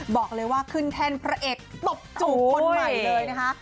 บอกเลยว่าขึ้นแท่นพระเอกตบจูบคนใหม่เลยนะคะ